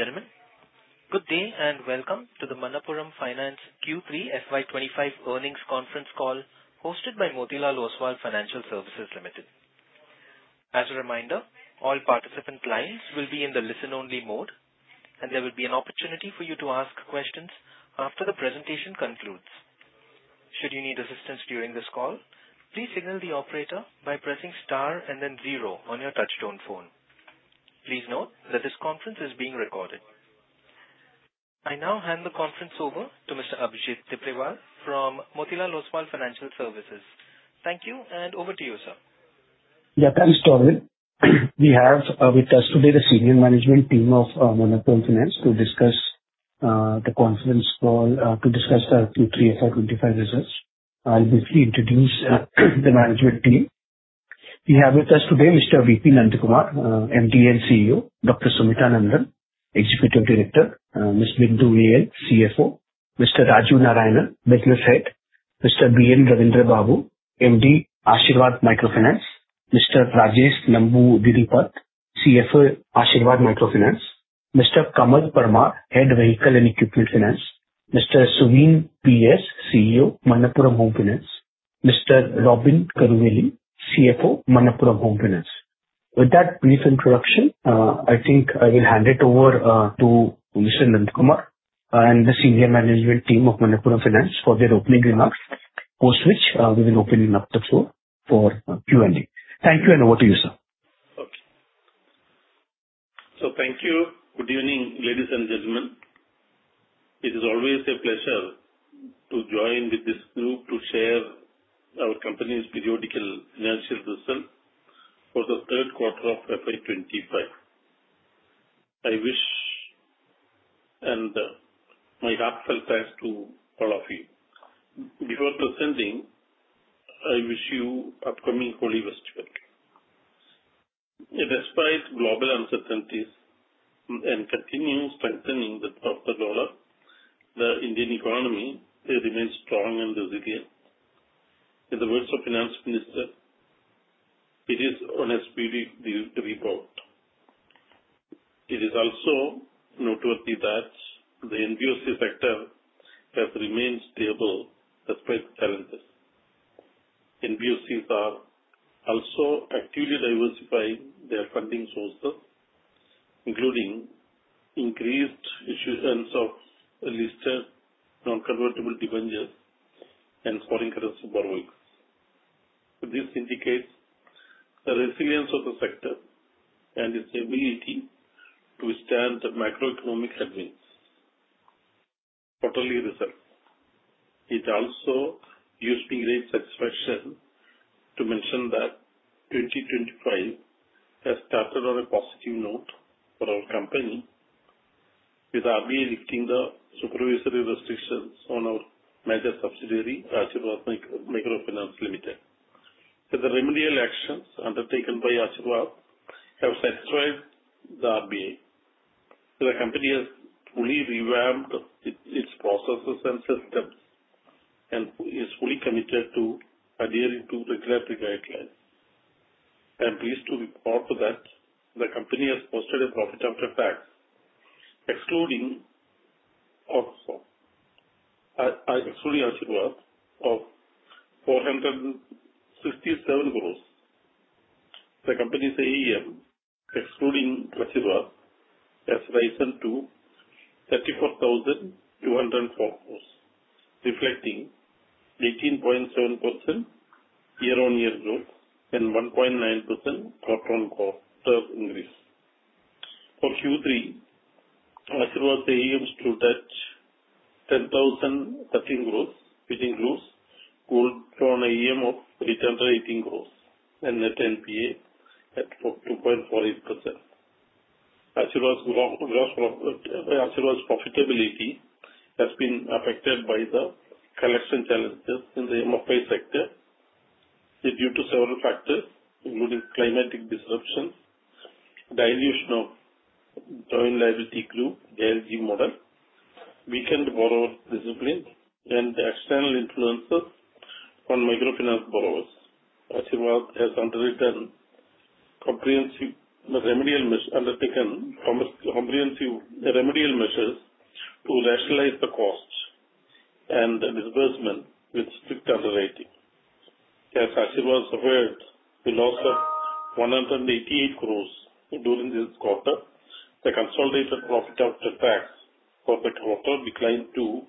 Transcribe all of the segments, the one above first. Ladies and gentlemen, good day and welcome to the Manappuram Finance Q3 FY25 Earnings Conference Call hosted by Motilal Oswal Financial Services Limited. As a reminder, all participant lines will be in the listen-only mode, and there will be an opportunity for you to ask questions after the presentation concludes. Should you need assistance during this call, please signal the operator by pressing star and then zero on your touch-tone phone. Please note that this conference is being recorded. I now hand the conference over to Mr. Abhijit Tibrewal from Motilal Oswal Financial Services. Thank you, and over to you, sir. Yeah, thanks, Torvil. We have with us today the senior management team of Manappuram Finance to discuss the conference call, to discuss the Q3 FY25 results. I'll briefly introduce the management team. We have with us today Mr. V.P. Nandakumar, MD and CEO, Dr. Sumitha Nandan, Executive Director, Ms. Bindu A.L., CFO, Mr. Raju Narayanan, Business Head, Mr. B.N. Raveendra Babu, MD, Asirvad Microfinance, Mr. Rajesh Namboodiripad, CFO, Asirvad Microfinance, Mr. Kamal Parmar, Head Vehicle and Equipment Finance, Mr. Suvin P.S., CEO, Manappuram Home Finance, Mr. Robin Karuvely, CFO, Manappuram Home Finance. With that brief introduction, I think I will hand it over to Mr. Nandakumar and the senior management team of Manappuram Finance for their opening remarks, post which we will open up the floor for Q&A. Thank you, and over to you, sir. Okay. So thank you. Good evening, ladies and gentlemen. It is always a pleasure to join with this group to share our company's periodical financial result for the third quarter of FY25. I wish and my heartfelt thanks to all of you. Before proceeding, I wish you an upcoming holy festival. Despite global uncertainties and continued strengthening of the dollar, the Indian economy remains strong and resilient. In the words of Finance Minister, it is on a speedy rebound. It is also noteworthy that the NBFC sector has remained stable despite the challenges. NBFCs are also actively diversifying their funding sources, including increased issuance of listed non-convertible debentures and foreign currency borrowings. This indicates the resilience of the sector and its ability to withstand the macroeconomic headwinds. Quarterly result. It also used to create satisfaction to mention that 2025 has started on a positive note for our company, with RBI lifting the supervisory restrictions on our major subsidiary, Asirvad Microfinance Limited. The remedial actions undertaken by Asirvad have satisfied the RBI. The company has fully revamped its processes and systems and is fully committed to adhering to regulatory guidelines. I'm pleased to report that the company has posted a profit after tax, excluding Asirvad, of INR 467 crore. The company's AUM, excluding Asirvad, has risen to 34,204 crore, reflecting 18.7% year-on-year growth and 1.9% quarter-on-quarter increase. For Q3, Asirvad's AUM stood at 10,013 crore, which includes gold loan AUM of 818 crore and net NPA at 2.48%. Asirvad's profitability has been affected by the collection challenges in the MFI sector due to several factors, including climatic disruption, dilution of joint liability group, JLG model, weakened borrower discipline, and external influences on microfinance borrowers. Asirvad has undertaken comprehensive remedial measures to rationalize the costs and disbursement with strict underwriting. As Asirvad suffered a loss of 188 crore during this quarter, the consolidated profit after tax for the quarter declined to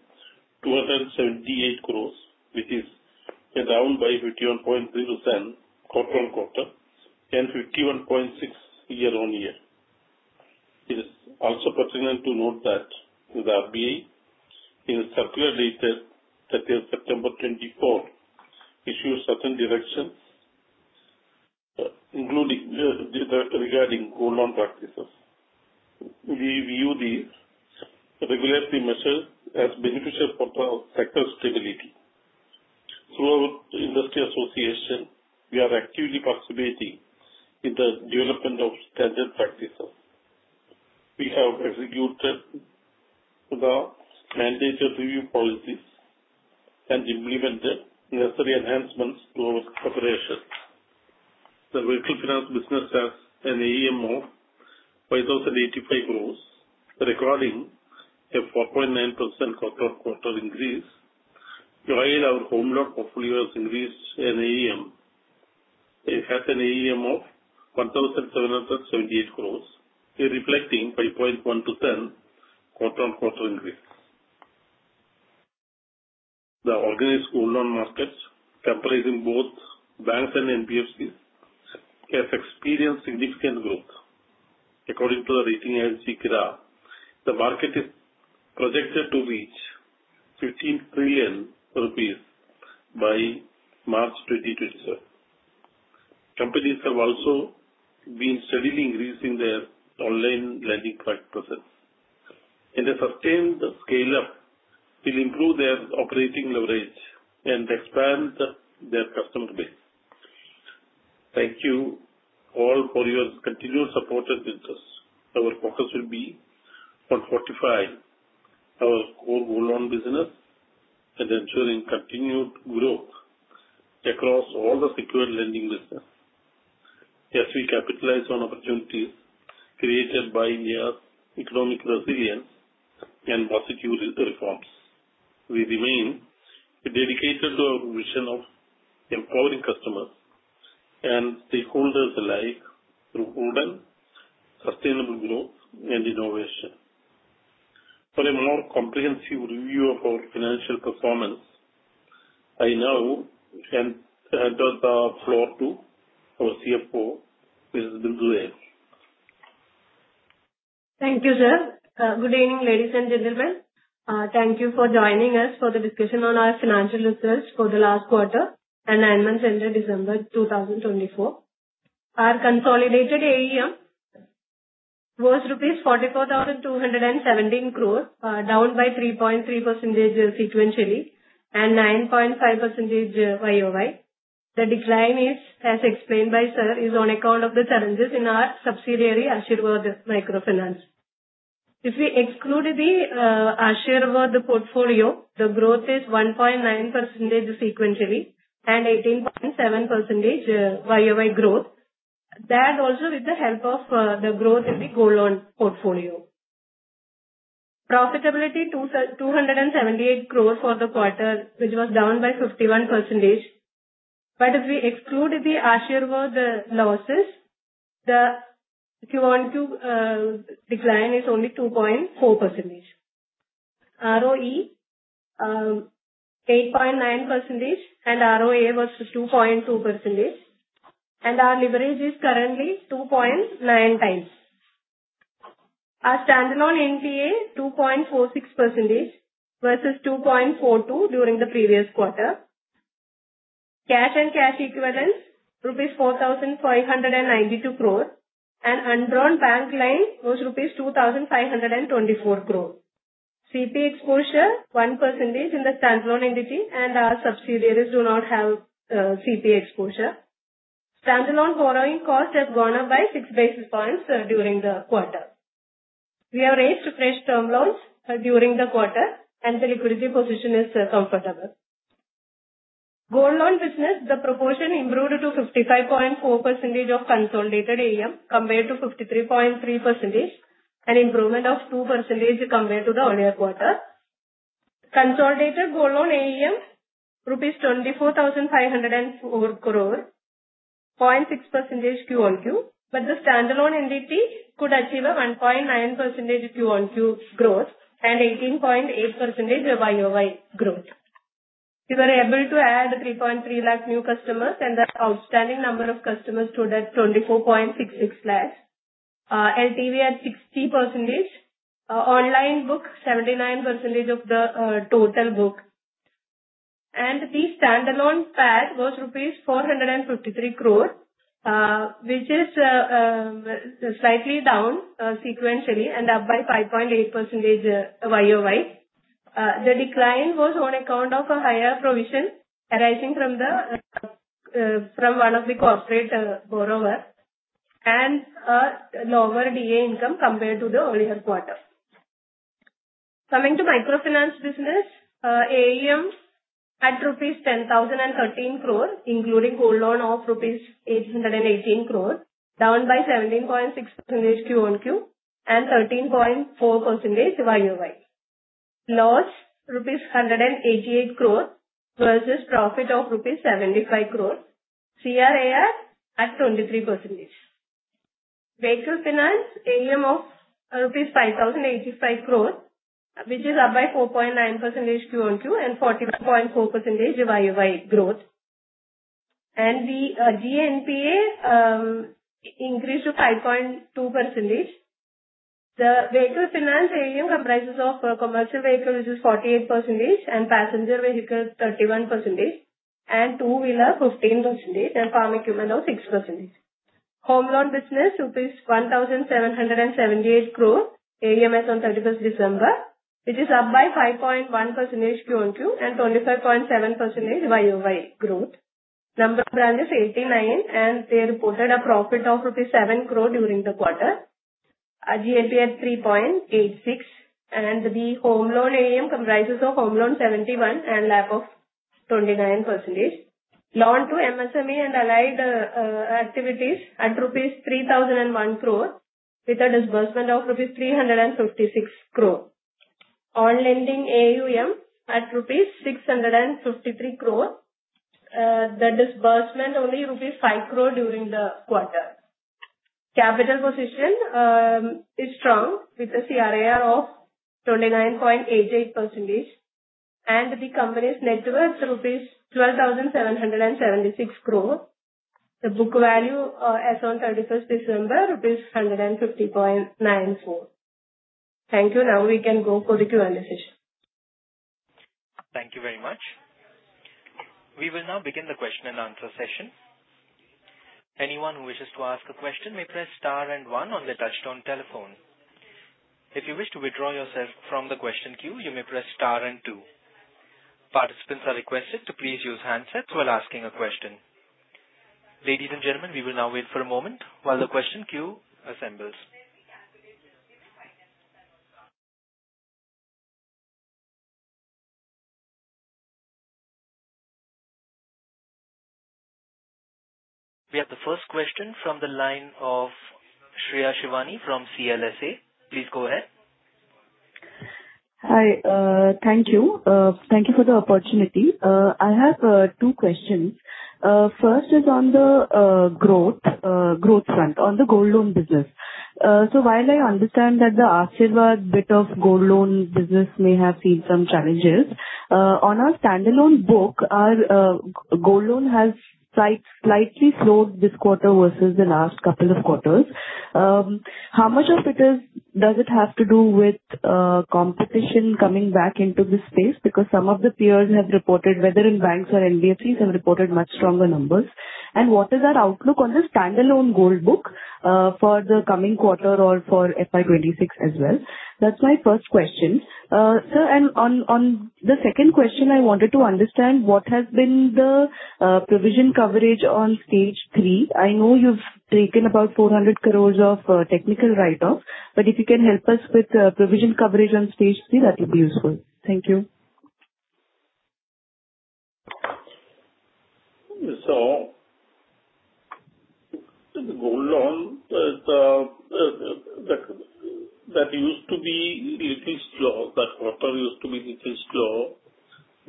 278 crore, which is down by 51.3% quarter-on-quarter and 51.6% year-on-year. It is also pertinent to note that the RBI in its circular dated September 24 issued certain directions, including regarding gold loan practices. We view the regulatory measures as beneficial for the sector's stability. Throughout the industry association, we are actively participating in the development of standard practices. We have executed the mandated review policies and implemented necessary enhancements to our preparation. The microfinance business has an AUM of 5,085 crore, recording a 4.9% quarter-on-quarter increase, while our home loan portfolio has increased in AUM. It has an AUM of 1,778 crore, reflecting 5.1% quarter-on-quarter increase. The organized gold loan markets, comprising both banks and NBFCs, have experienced significant growth. According to the rating agency, ICRA, the market is projected to reach 15 trillion rupees by March 2027. Companies have also been steadily increasing their online lending process. In a sustained scale-up, it will improve their operating leverage and expand their customer base. Thank you all for your continued support and interest. Our focus will be on fortifying our core gold loan business and ensuring continued growth across all the secured lending business. As we capitalize on opportunities created by their economic resilience and prosecute reforms, we remain dedicated to our mission of empowering customers and stakeholders alike through golden sustainable growth and innovation. For a more comprehensive review of our financial performance, I now hand over the floor to our CFO, Ms. Bindu A.L. Thank you, sir. Good evening, ladies and gentlemen. Thank you for joining us for the discussion on our financial results for the last quarter and nine months ended December 2024. Our consolidated AUM was rupees 44,217 crore, down by 3.3% sequentially and 9.5% YOY. The decline, as explained by sir, is on account of the challenges in our subsidiary, Asirvad Microfinance. If we exclude the Asirvad portfolio, the growth is 1.9% sequentially and 18.7% YOY growth. That also with the help of the growth in the gold loan portfolio. Profitability: 278 crore for the quarter, which was down by 51%. But if we exclude the Asirvad losses, the Q1 decline is only 2.4%. ROE: 8.9% and ROA was 2.2%. Our leverage is currently 2.9 times. Our standalone NPA: 2.46% versus 2.42% during the previous quarter. Cash and cash equivalents: 4,592 crore rupees and undrawn bank line was 2,524 crore rupees. CP exposure: 1% in the standalone entity and our subsidiaries do not have CP exposure. Standalone borrowing cost has gone up by 6 basis points during the quarter. We have raised fresh term loans during the quarter and the liquidity position is comfortable. Gold loan business, the proportion improved to 55.4% of consolidated AUM compared to 53.3% and improvement of 2% compared to the earlier quarter. Consolidated gold loan AUM: INR 24,504 crore, 0.6% Q on Q, but the standalone entity could achieve a 1.9% Q on Q growth and 18.8% YOY growth. We were able to add 3.3 lakh new customers and the outstanding number of customers stood at 24.66 lakhs. LTV at 60%. Online book 79% of the total book, and the standalone PAT was rupees 453 crore, which is slightly down sequentially and up by 5.8% YOY. The decline was on account of a higher provision arising from one of the corporate borrowers and a lower DA income compared to the earlier quarter. Coming to microfinance business, AUM at rupees 10,013 crore, including gold loan of rupees 818 crore, down by 17.6% Q on Q and 13.4% YOY. Loss: rupees 188 crore versus profit of rupees 75 crore. CRAR at 23%. Vehicle finance, AUM of rupees 5,085 crore, which is up by 4.9% Q on Q and 41.4% YOY growth. And the GNPA increased to 5.2%. The vehicle finance AUM comprises of commercial vehicle, which is 48%, and passenger vehicle 31%, and two-wheeler 15%, and farm equipment of 6%. Home loan business, rupees 1,778 crore, AUM at 31st December, which is up by 5.1% Q on Q and 25.7% YOY growth. Number of branches 89, and they reported a profit of rupees 7 crore during the quarter. GNPA at 3.86%, and the home loan AUM comprises of home loan 71% and LAP of 29%. Loan to MSME and allied activities at rupees 3,001 crore, with a disbursement of rupees 356 crore. On-lending AUM at rupees 653 crore. The disbursement only rupees 5 crore during the quarter. Capital position is strong with a CRAR of 29.88%, and the company's net worth rupees 12,776 crore. The book value as on 31st December, rupees 150.94. Thank you. Now we can go for the Q&A session. Thank you very much. We will now begin the question and answer session. Anyone who wishes to ask a question may press star and one on the touch-tone telephone. If you wish to withdraw yourself from the question queue, you may press star and two. Participants are requested to please use handsets while asking a question. Ladies and gentlemen, we will now wait for a moment while the question queue assembles. We have the first question from the line of Shreya Shivani from CLSA. Please go ahead. Hi. Thank you. Thank you for the opportunity. I have two questions. First is on the growth front, on the gold loan business. So while I understand that the Asirvad bit of gold loan business may have seen some challenges, on our standalone book, our gold loan has slightly slowed this quarter versus the last couple of quarters. How much of it does it have to do with competition coming back into this space? Because some of the peers have reported, whether in banks or NBFCs, have reported much stronger numbers. And what is our outlook on the standalone gold book for the coming quarter or for FY26 as well? That's my first question. Sir, and on the second question, I wanted to understand what has been the provision coverage on Stage 3? I know you've taken about 400 crores of technical write-off, but if you can help us with provision coverage on Stage 3, that would be useful. Thank you. So the gold loan that used to be a little slow. That quarter used to be a little slow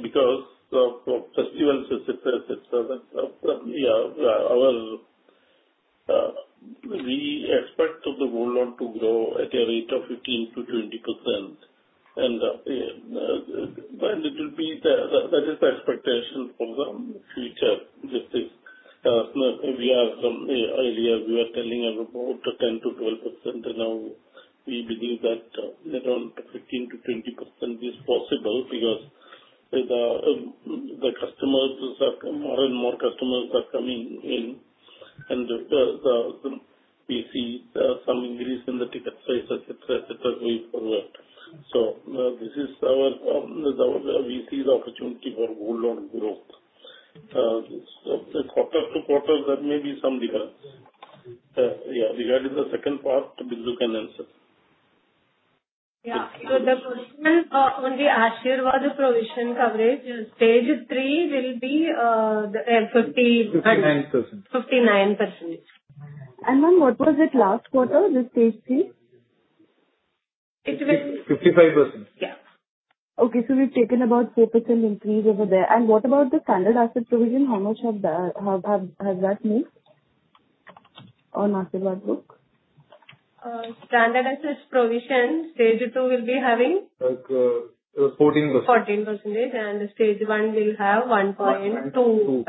because of festivals, etc., etc. Yeah, we expect the gold loan to grow at a rate of 15%-20%. And it will be. That is the expectation for the future. We are earlier; we were telling everyone 10%-12%, and now we believe that around 15%-20% is possible because the customers are more and more customers are coming in, and we see some increase in the ticket price, etc., etc., going forward. So this is our VC's opportunity for gold loan growth. Quarter to quarter, there may be some difference. Yeah, regarding the second part, Bindu can answer. Yeah. So the question on the Asirvad provision coverage, Stage 3 will be 59%. 59%. And then, what was it last quarter, the Stage 3? It will be 55%. Yeah. Okay. So we've taken about 4% increase over there. And what about the standard asset provision? How much has that moved on Asirvad book? Standard asset provision, Stage 2 will be having? 14%. 14%. And Stage 1 will have 1.25%. 1.25%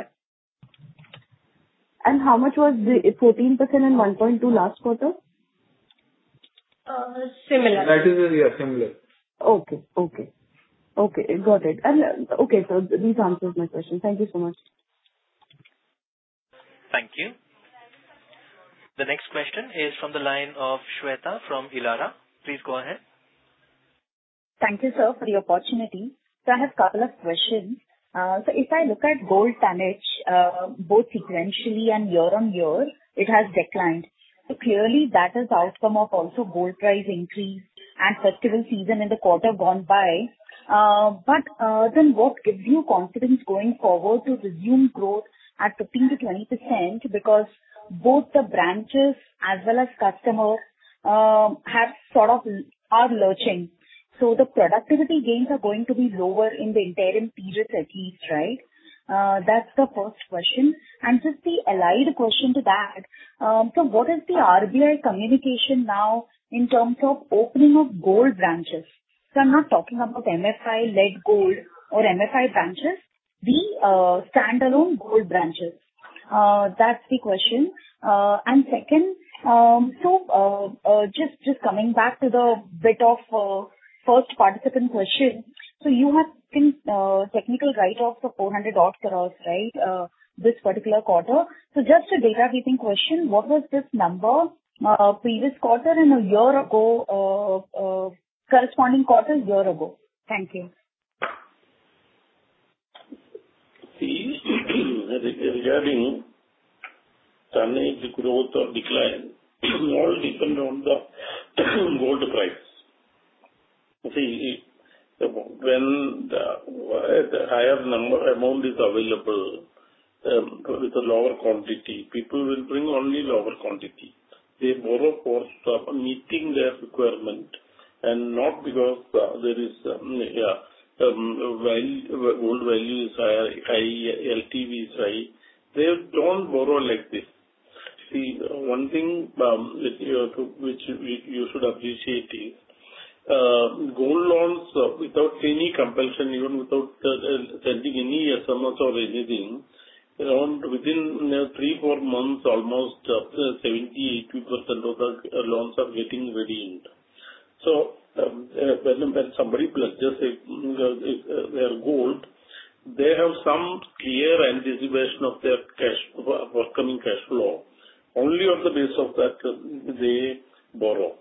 How much was the 14% and 1.2 last quarter? Similar. That is, yeah, similar. Okay. Got it, and okay, so this answers my question. Thank you so much. Thank you. The next question is from the line of Shweta from Elara. Please go ahead. Thank you, sir, for the opportunity. So I have a couple of questions. So if I look at gold tonnage, both sequentially and year on year, it has declined. So clearly, that is the outcome of also gold price increase and festival season in the quarter gone by. But then what gives you confidence going forward to resume growth at 15%-20%? Because both the branches as well as customers have sort of are lurching. So the productivity gains are going to be lower in the interim periods at least, right? That's the first question. And just the allied question to that, so what is the RBI communication now in terms of opening of gold branches? So I'm not talking about MFI-led gold or MFI branches, the standalone gold branches. That's the question. Second, so just coming back to the bit of first participant question, so you have technical write-offs of 400 crore, right, this particular quarter. Just a bookkeeping question, what was this number previous quarter and a year ago, corresponding quarter year ago? Thank you. Regarding tonnage growth or decline, all depend on the gold price. See, when the higher amount is available with a lower quantity, people will bring only lower quantity. They borrow for meeting their requirement and not because there is, yeah, gold value is higher, LTV is high. They don't borrow like this. See, one thing which you should appreciate is gold loans without any compulsion, even without sending any SMS or anything, around within three, four months, almost 70%-80% of the loans are getting repaid in. So when somebody pledges their gold, they have some clear anticipation of their forthcoming cash flow. Only on the basis of that, they borrow.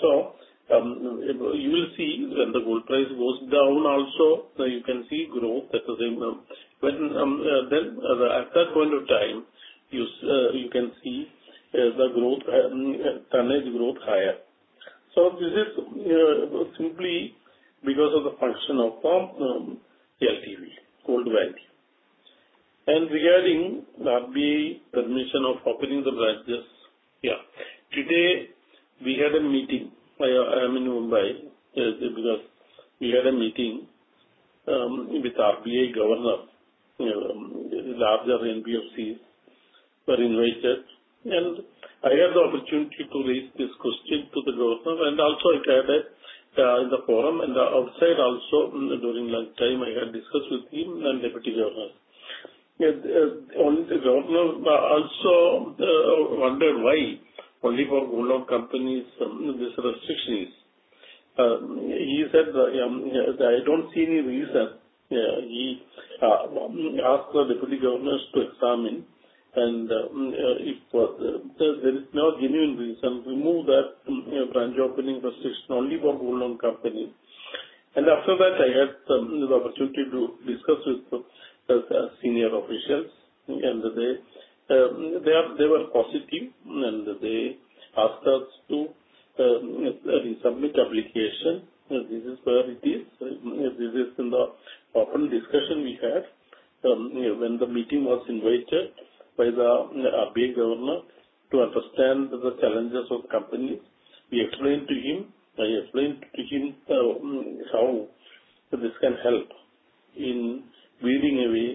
So you will see when the gold price goes down, also you can see growth at the same time. Then at that point of time, you can see the growth, tonnage growth higher. So this is simply because of the function of LTV, gold value. And regarding RBI permission of opening the branches, yeah, today we had a meeting. I am in Mumbai because we had a meeting with RBI Governor. Larger NBFCs were invited, and I had the opportunity to raise this question to the governor. And also, I had a forum and outside also during lunchtime, I had discussed with him and deputy governor. And the governor also wondered why only for gold loan companies this restriction is. He said, "I don't see any reason." He asked the deputy governors to examine and if there is no genuine reason, remove that branch opening restriction only for gold loan company. And after that, I had the opportunity to discuss with senior officials, and they were positive, and they asked us to resubmit application. This is where it is. This is in the open discussion we had when the meeting was invited by the RBI governor to understand the challenges of companies. We explained to him. I explained to him how this can help in weeding away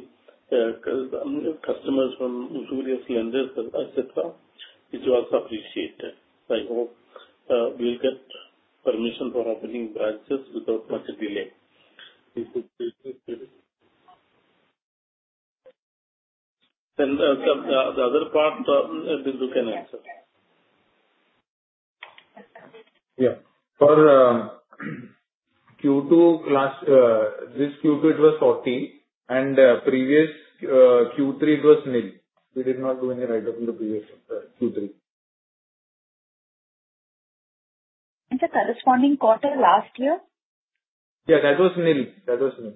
customers from various lenders, etc., which was appreciated. I hope we'll get permission for opening branches without much delay. And the other part, Bindu can answer. Yeah. For Q2, last this Q2, it was 40, and previous Q3, it was nil. We did not do any write-off in the previous Q3. The corresponding quarter last year? Yeah, that was nil. That was nil.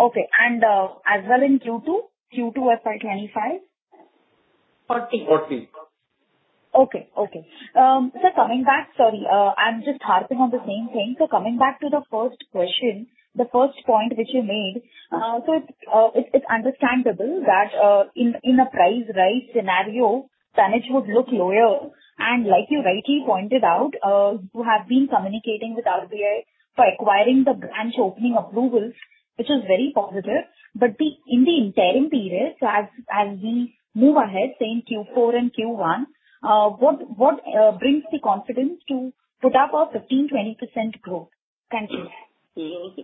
Okay, and as well in Q2 FY25? 40. 40. Okay. Okay. So coming back, sorry, I'm just harping on the same thing. So coming back to the first question, the first point which you made, so it's understandable that in a price rise scenario, tonnage would look lower. And like you rightly pointed out, you have been communicating with RBI for acquiring the branch opening approvals, which is very positive. But in the interim period, so as we move ahead saying Q4 and Q1, what brings the confidence to put up a 15%-20% growth? Thank you.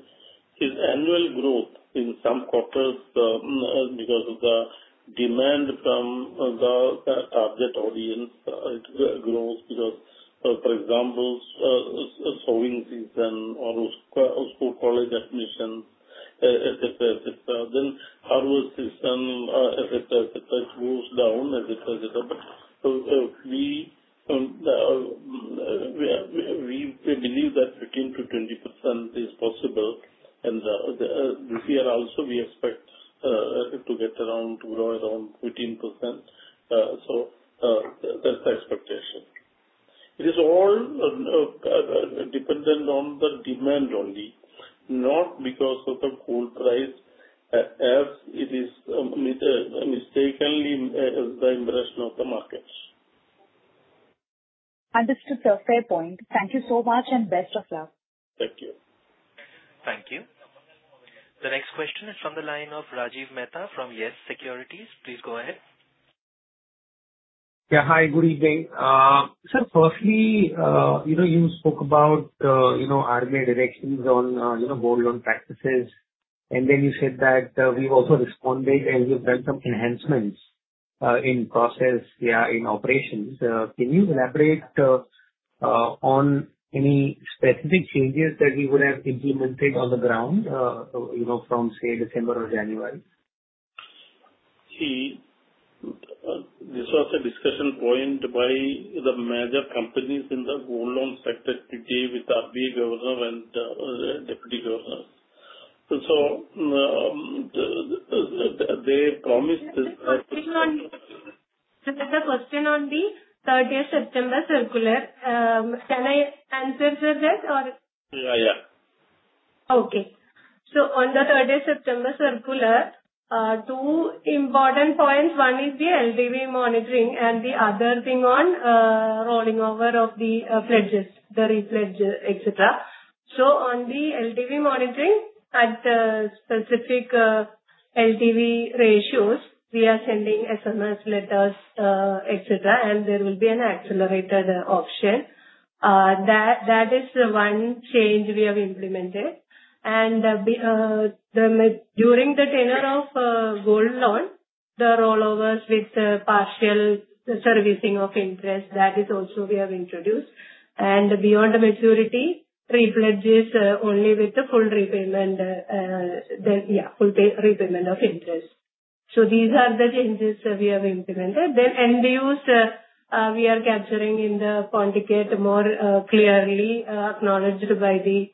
Its annual growth in some quarters because of the demand from the target audience grows because, for example, sowing season or school college admissions, etc. Then harvest season, etc., it goes down, etc. But we believe that 15%-20% is possible. And this year also, we expect to get around to grow around 15%. So that's the expectation. It is all dependent on the demand only, not because of the gold price as it is mistakenly the impression of the markets. Understood. Fair point. Thank you so much and best of luck. Thank you. Thank you. The next question is from the line of Rajiv Mehta from Yes Securities. Please go ahead. Yeah. Hi. Good evening. So firstly, you spoke about RBI directions on gold loan practices, and then you said that we've also responded and we've done some enhancements in process, yeah, in operations. Can you elaborate on any specific changes that we would have implemented on the ground from, say, December or January? See, this was a discussion point by the major companies in the gold loan sector today with RBI Governor and Deputy Governor. So they promised that. The question on the 30th September circular, can I answer for that or? Yeah. Yeah. Okay. On the 30th September circular, two important points. One is the LTV monitoring and the other thing on rolling over of the pledges, the repledge, etc. On the LTV monitoring at specific LTV ratios, we are sending SMS letters, etc., and there will be an accelerated auction. That is one change we have implemented. During the tenure of gold loan, the rollovers with partial servicing of interest, that is also we have introduced. Beyond the maturity, repledges only with the full repayment, yeah, full repayment of interest. These are the changes we have implemented. Then NBFCs, we are capturing in the pawn ticket more clearly acknowledged by the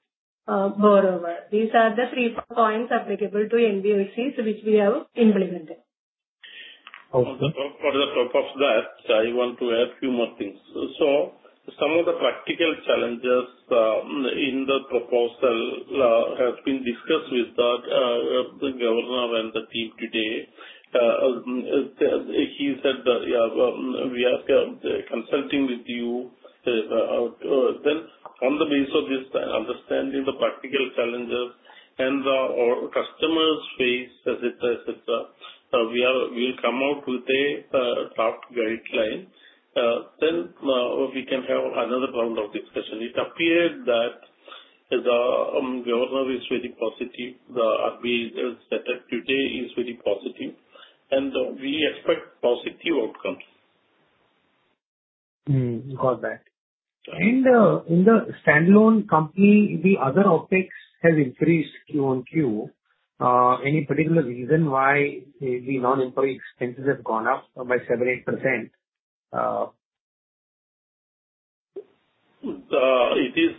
borrower. These are the three points applicable to NBFCs which we have implemented. On top of that, I want to add a few more things. So some of the practical challenges in the proposal have been discussed with the governor and the team today. He said, "Yeah, we are consulting with you." Then on the basis of this understanding the practical challenges and the customers face, etc., etc., we will come out with a draft guideline. Then we can have another round of discussion. It appeared that the governor is very positive. The RBI setup today is very positive, and we expect positive outcomes. Go back. In the standalone company, the other Opex has increased Q on Q. Any particular reason why the non-employee expenses have gone up by 7-8%? It is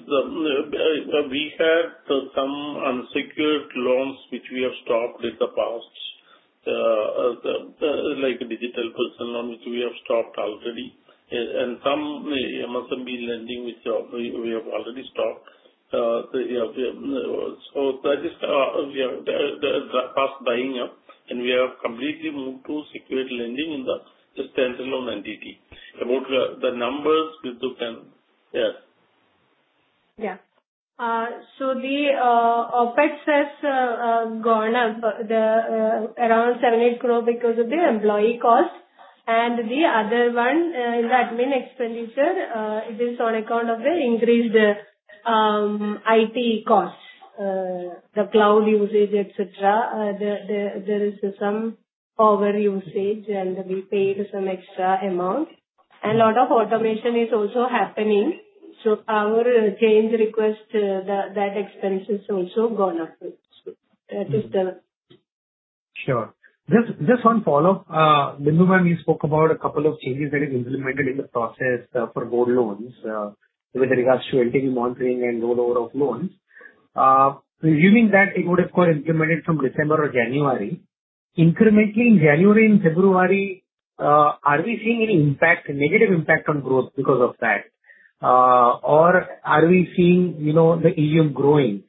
we had some unsecured loans which we have stopped in the past, like digital personal loan which we have stopped already, and some MSME lending which we have already stopped. So that is the past buying up, and we have completely moved to secured lending in the standalone entity. About the numbers, Bindu can, yes. Yeah. So the Opex has gone up around 7-8 crore because of the employee cost. And the other one in the admin expenditure, it is on account of the increased IT costs, the cloud usage, etc. There is some overusage, and we paid some extra amount. And a lot of automation is also happening. So our change request, that expense is also gone up. That is the. Sure. Just one follow-up. Bindu and I spoke about a couple of changes that have been implemented in the process for gold loans with regards to LTV monitoring and rollover of loans. Presuming that it would have been implemented from December or January, incrementally in January and February, are we seeing any impact, negative impact on growth because of that? Or are we seeing the AUM growing?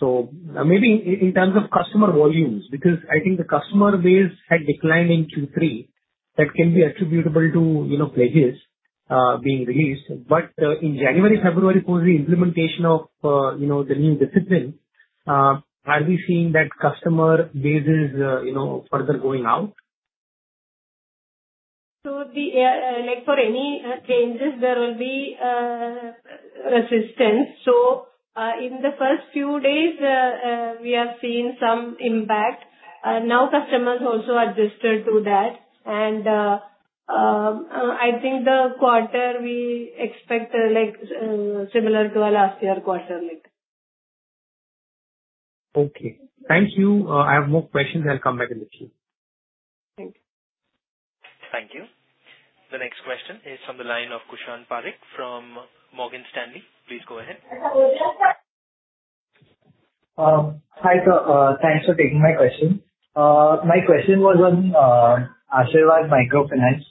So maybe in terms of customer volumes, because I think the customer base had declined in Q3. That can be attributable to pledges being released. But in January, February, for the implementation of the new discipline, are we seeing that customer bases further going out? So for any changes, there will be resistance. So in the first few days, we have seen some impact. Now customers also adjusted to that. And I think the quarter we expect similar to our last year quarter. Okay. Thank you. I have more questions. I'll come back and let you. Thank you. Thank you. The next question is from the line of Kushan Parikh from Morgan Stanley. Please go ahead. Hi, sir. Thanks for taking my question. My question was on Asirvad Microfinance.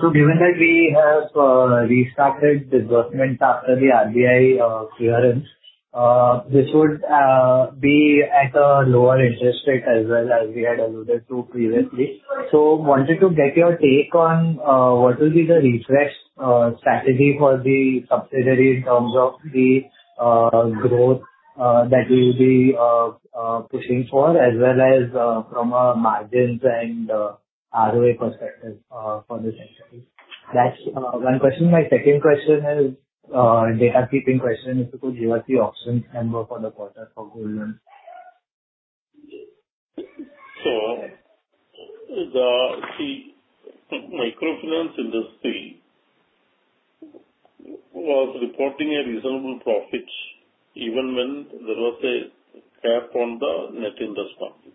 So given that we have restarted disbursement after the RBI clearance, this would be at a lower interest rate as well as we had alluded to previously. So wanted to get your take on what will be the rephasing strategy for the subsidiary in terms of the growth that we will be pushing for, as well as from a margins and ROI perspective for this entity. That's one question. My second question is a housekeeping question. If you could give us the outstanding number for the quarter for gold loans. So the Microfinance Indistry was reporting a reporting a reasonable profit even when there was a cap on the net interest margin,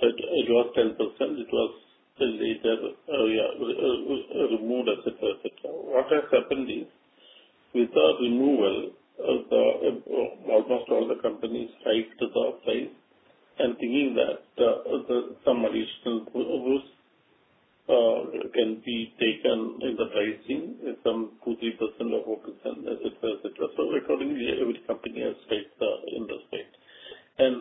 It was 10%. It was a little bit earlier removed, etc. What has happened is with removal, almost all the companies raised the price and thinking that some additional rules can be taken in the pricing, some 2%, 3% or 4%, etc., etc. Accordingly, every company has hiked the interest rate. And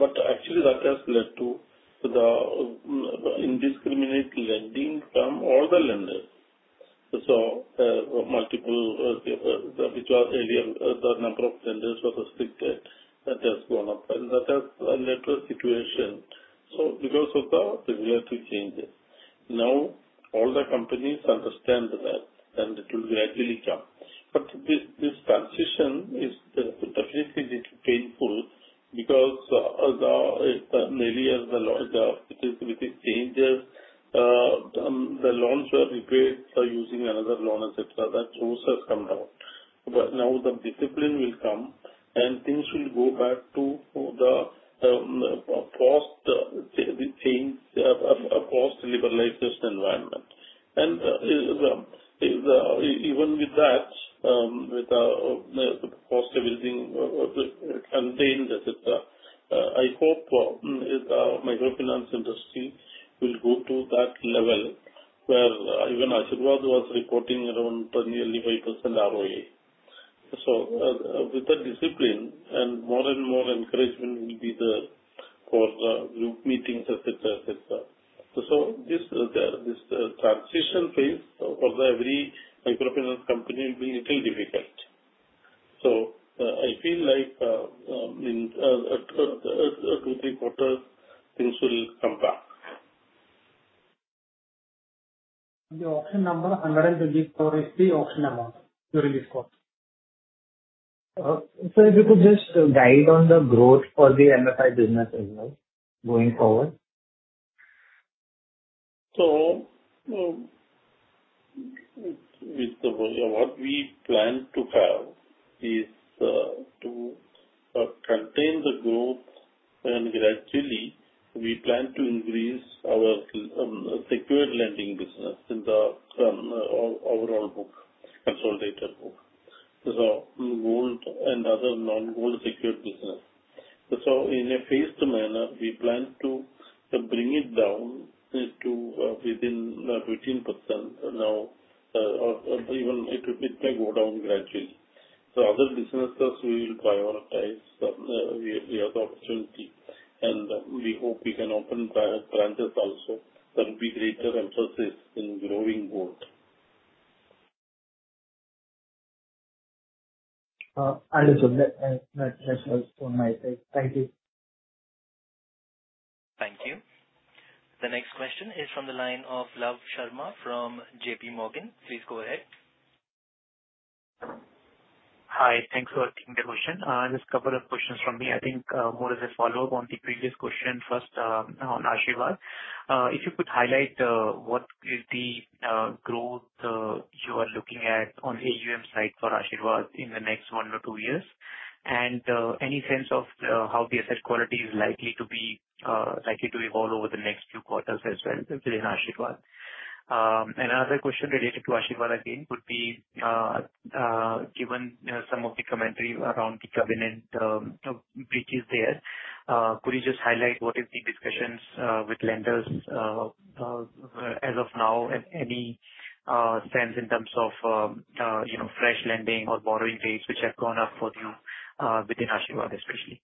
but actually, that has led to the indiscriminate lending from all the lenders. Multiple which was earlier, the number of lenders was restricted. That has gone up. And that has led to a situation. Because of the regulatory changes, now all the companies understand that, and it will gradually come. But this transition is definitely painful because earlier, with these changes, the loans were repaid using another loan, etc. That rule has come down. But now the discipline will come, and things will go back to the post-liberalization environment. And even with that, with the cost everything contained, etc., I hope the microfinance industry will go to that level where even Asirvad was reporting around nearly 5% ROI. So with the discipline and more and more encouragement will be there for group meetings, etc., etc. So this transition phase for every microfinance company will be a little difficult. So I feel like in two, three quarters, things will come back. The AUM number 124 is the AUM amount you referred to. So if you could just guide on the growth for the MFI business as well going forward. So, what we plan to have is to contain the growth, and gradually, we plan to increase our secured lending business in the overall consolidated book. So gold and other non-gold secured business. So, in a phased manner, we plan to bring it down to within 15% now. Even it may go down gradually. So other businesses will prioritize the opportunity, and we hope we can open branches also that will be greater emphasis in growing gold. Understood. That's all from my side. Thank you. Thank you. The next question is from the line of Love Sharma from JPMorgan. Please go ahead. Hi. Thanks for taking the question. Just a couple of questions from me. I think more as a follow-up on the previous question first on Asirvad. If you could highlight what is the growth you are looking at on AUM side for Asirvad in the next one or two years, and any sense of how the asset quality is likely to evolve over the next few quarters as well within Asirvad. And another question related to Asirvad again would be, given some of the commentary around the covenant breaches there, could you just highlight what is the discussions with lenders as of now, and any sense in terms of fresh lending or borrowing rates which have gone up for you within Asirvad especially?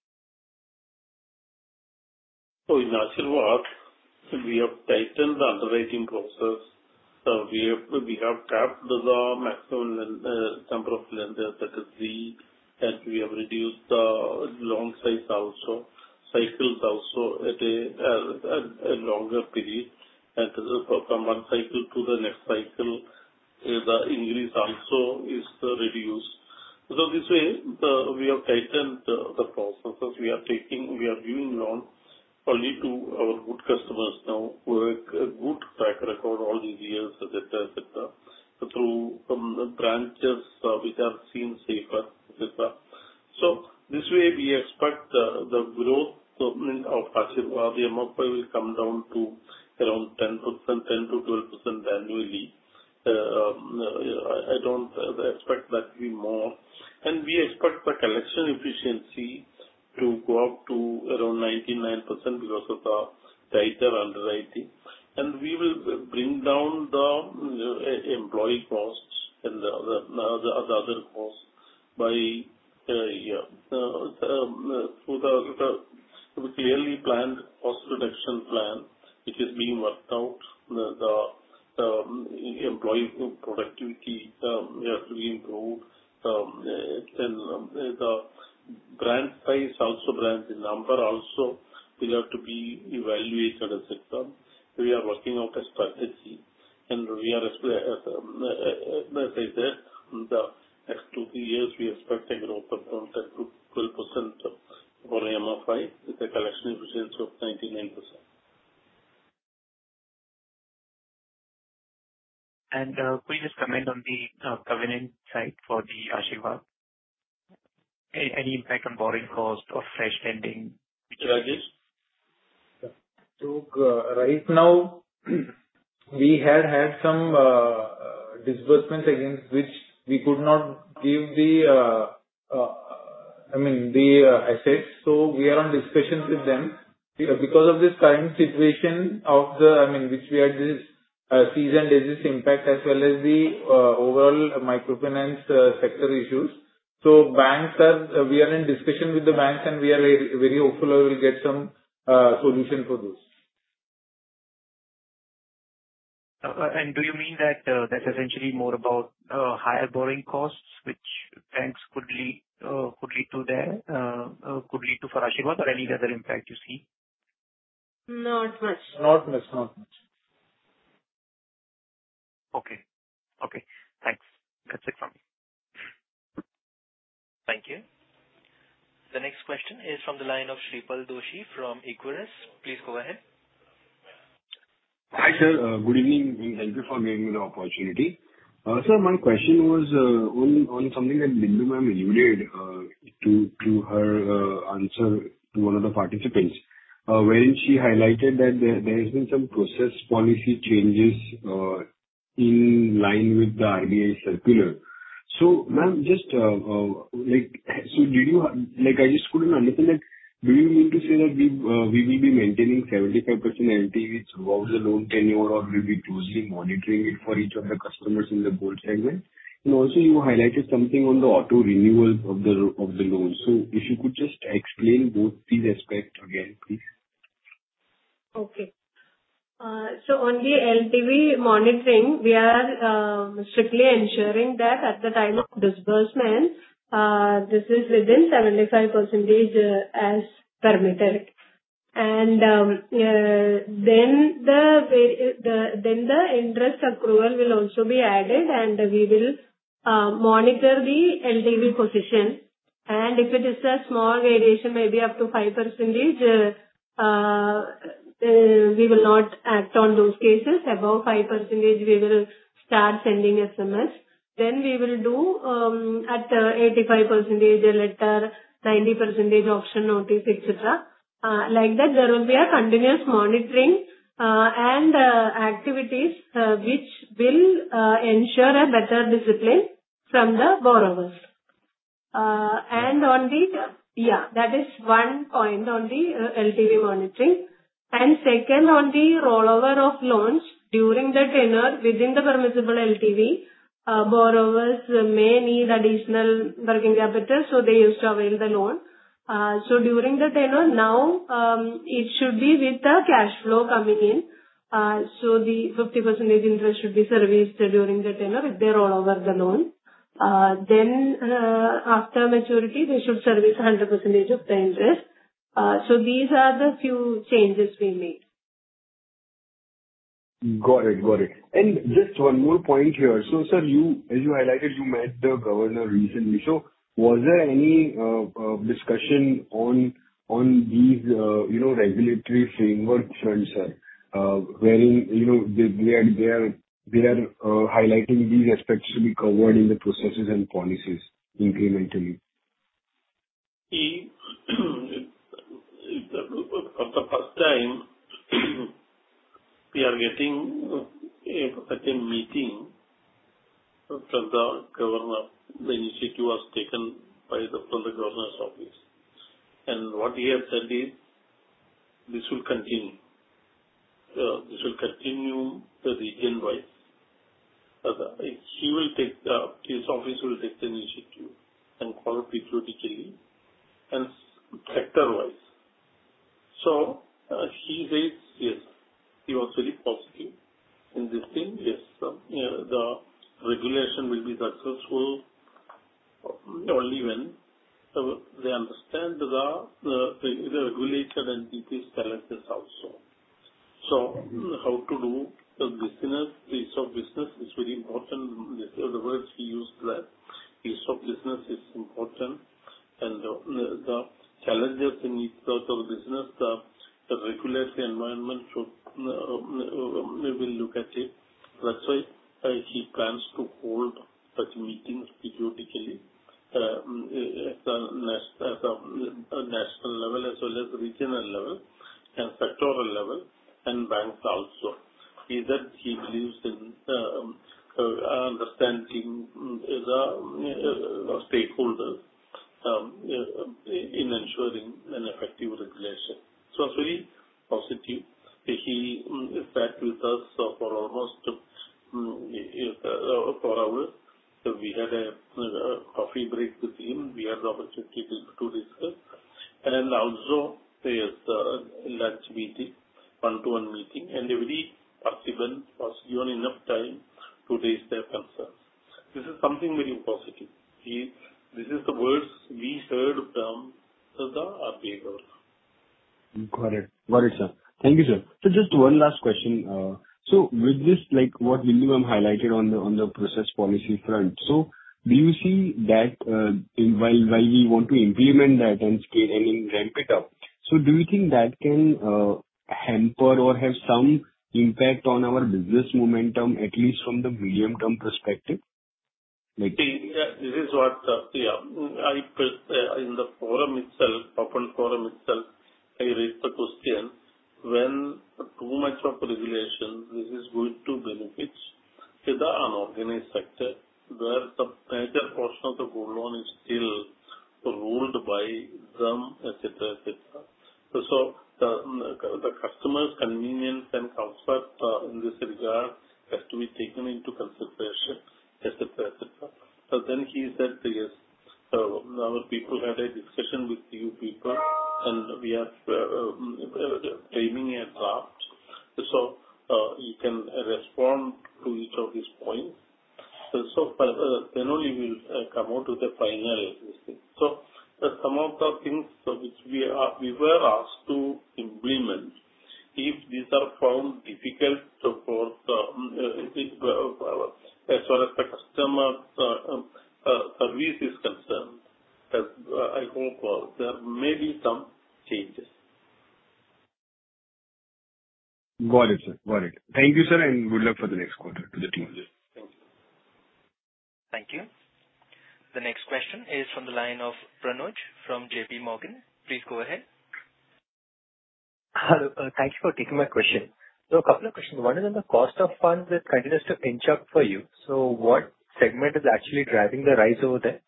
In Asirvad, we have tightened the underwriting process. We have capped the maximum number of lenders that could be, and we have reduced the loan size also, cycles also at a longer period. And from one cycle to the next cycle, the increase also is reduced. This way, we have tightened the processes. We are giving loans only to our good customers now who have a good track record all these years, etc., etc., through branches which are seen safer, etc. This way, we expect the growth of Asirvad; the amount will come down to around 10%, 10-12% annually. I don't expect that to be more. And we expect the collection efficiency to go up to around 99% because of the tighter underwriting. And we will bring down the employee costs and the other costs by year. So we clearly planned cost reduction plan which is being worked out. The employee productivity has to be improved, and the branch size also, branch number also will have to be evaluated, etc. We are working out a strategy, and we are, as I said, the next two, three years, we expect a growth of 10%-12% for MFI with a collection efficiency of 99%. Could you just comment on the governance side for the Asirvad? Any impact on borrowing cost or fresh lending. Rajesh? Look, right now, we had had some disbursements against which we could not give the, I mean, the assets. So we are in discussion with them. Because of this current situation of the, I mean, which we had this seasonal disease impact as well as the overall microfinance sector issues, so we are in discussion with the banks, and we are very hopeful we will get some solution for this. Do you mean that that's essentially more about higher borrowing costs which banks could lead to for Asirvad or any other impact you see? Not much. Not much. Not much. Okay. Okay. Thanks. That's it from me. Thank you. The next question is from the line of Shreepal Doshi from Equirus Securities. Please go ahead. Hi, sir. Good evening, and thank you for giving me the opportunity. Sir, my question was on something that Bindu ma'am alluded to in her answer to one of the participants when she highlighted that there has been some process policy changes in line with the RBI circular. So ma'am, I just couldn't understand that. Do you mean to say that we will be maintaining 75% LTV throughout the loan tenure, or will we be closely monitoring it for each of the customers in the gold segment? And also, you highlighted something on the auto-renewal of the loan. So if you could just explain both these aspects again, please. Okay. So on the LTV monitoring, we are strictly ensuring that at the time of disbursement, this is within 75% as permitted. And then the interest accrual will also be added, and we will monitor the LTV position. And if it is a small variation, maybe up to 5%, we will not act on those cases. Above 5%, we will start sending SMS. Then we will do at 85% letter, 90% auction notice, etc. Like that, there will be a continuous monitoring and activities which will ensure a better discipline from the borrowers. And on the yeah, that is one point on the LTV monitoring. And second, on the rollover of loans during the tenure within the permissible LTV, borrowers may need additional working capital, so they used to avail the loan. So during the tenure, now it should be with the cash flow coming in. So the 50% interest should be serviced during the tenure if they rollover the loan. Then after maturity, they should service 100% of the interest. So these are the few changes we made. Got it. Got it. And just one more point here. So sir, as you highlighted, you met the governor recently. So was there any discussion on these regulatory frameworks, sir, wherein they are highlighting these aspects to be covered in the processes and policies incrementally? For the first time, we are getting a meeting from the governor. The initiative was taken from the governor's office. And what he has said is this will continue. This will continue region-wise. His office will take the initiative and follow it critically and sector-wise. So he says, yes, he was very positive in this thing. Yes, the regulation will be successful only when they understand the regulator and detailed challenges also. So how to do business, the ease of doing business is very important. The words he used there, ease of doing business is important. And the challenges in each sort of business, the regulatory environment will look at it. That's why he plans to hold such meetings periodically at the national level as well as regional level and sectoral level and banks also. He believes in understanding the stakeholders in ensuring an effective regulation. So he's very positive. He sat with us for almost four hours. We had a coffee break with him. We had the opportunity to discuss. And also, there's a lunch meeting, one-to-one meeting. And every participant was given enough time to raise their concerns. This is something very positive. This is the words we heard from the RBI governor. Got it. Got it, sir. Thank you, sir. So just one last question. So with this, what Bindu ma'am highlighted on the process policy front, so do you see that while we want to implement that and ramp it up, so do you think that can hamper or have some impact on our business momentum, at least from the medium-term perspective? This is what, yeah. In the forum itself, open forum itself, I raised the question when too much of regulation, this is going to benefit the unorganized sector where the major portion of the gold loan is still ruled by them, etc., etc. So the customer's convenience and comfort in this regard has to be taken into consideration, etc., etc. So then he said, yes, our people had a discussion with a few people, and we are framing a draft. So you can respond to each of these points. So then only we'll come out with the final. So some of the things which we were asked to implement, if these are found difficult as far as the customer service is concerned, I hope there may be some changes. Got it, sir. Got it. Thank you, sir, and good luck for the next quarter to the team. Thank you. Thank you. The next question is from the line of Pranuj from JPMorgan. Please go ahead. Hello. Thank you for taking my question. So a couple of questions. One is on the cost of funds that continues to inch up for you. So what segment is actually driving the rise over there?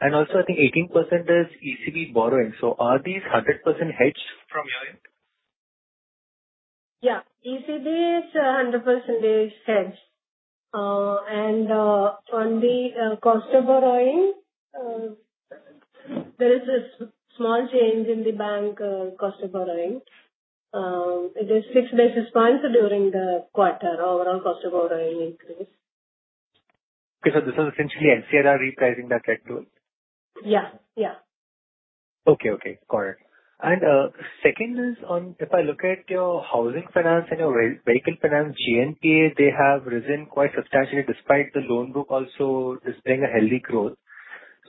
And also, I think 18% is ECB borrowing. So are these 100% hedged from your end? Yeah. ECB is 100% hedged. And on the cost of borrowing, there is a small change in the bank cost of borrowing. It is six basis points during the quarter, overall cost of borrowing increase. Okay. So this is essentially MCLR repricing that tracks too? Yeah. Yeah. Okay. Okay. Got it. And second is on if I look at your housing finance and your vehicle finance, GNPA, they have risen quite substantially despite the loan book also displaying a healthy growth.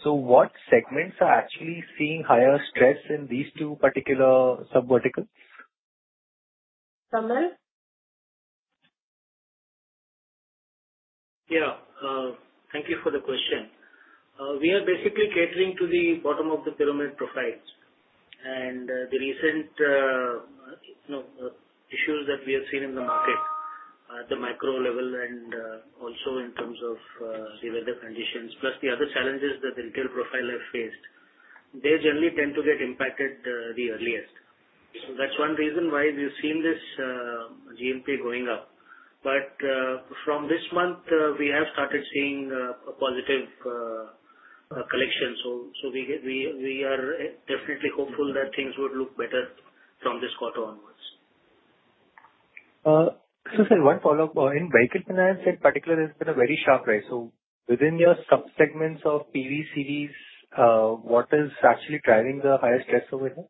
So what segments are actually seeing higher stress in these two particular subverticals? Kamal? Yeah. Thank you for the question. We are basically catering to the bottom of the pyramid profiles. And the recent issues that we have seen in the market, at the micro level and also in terms of weather conditions, plus the other challenges that the retail profile has faced, they generally tend to get impacted the earliest. So that's one reason why we've seen this GNPA going up. But from this month, we have started seeing a positive collection. So we are definitely hopeful that things would look better from this quarter onwards. So sir, one follow-up. In vehicle finance in particular, there's been a very sharp rise. So within your subsegments of PV/CVs, what is actually driving the highest stress over here?